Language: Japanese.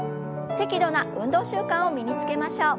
適度な運動習慣を身につけましょう。